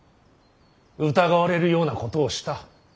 疑われるようなことをした。